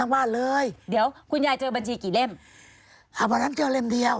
วันนั้นเจอเล่มเดียว